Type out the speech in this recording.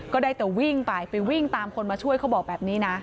ก็ได้แต่วิ่งไปไปวิ่งตามคนมาช่วยเขาบอกแบบนี้นะ